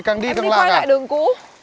em đi quay lại đường cũ